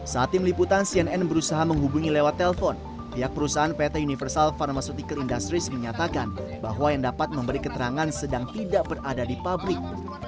saat tim liputan cnn berusaha menghubungi lewat telpon pihak perusahaan pt universal pharmaceutical industries menyatakan bahwa yang dapat memberi keterangan sedang tidak berada di pabrik